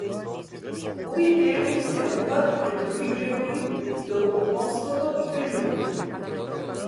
Овие термини се јавуваат покрај други гревови идолопоклонството и прељубата.